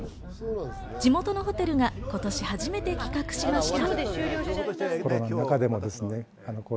地元のホテルが今年初めて企画しました。